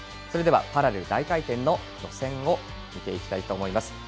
それでは、パラレル大回転の予選を見ていきたいと思います。